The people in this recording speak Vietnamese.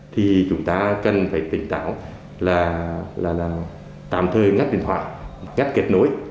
thì chúng ta cần phải tỉnh táo là tạm thời ngắt điện thoại ngắt kết nối